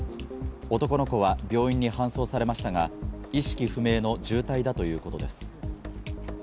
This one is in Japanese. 男の子は病院に搬送されましたが、意識不明の重体だということです。